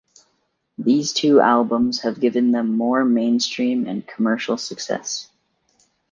These two albums have given them more mainstream and commercial success.